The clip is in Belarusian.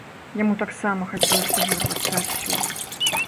Яму таксама хацелася вырвацца адсюль.